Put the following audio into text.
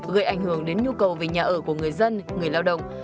gây ảnh hưởng đến nhu cầu về nhà ở của người dân người lao động